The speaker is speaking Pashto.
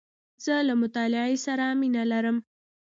زه له مطالعې سره مینه لرم .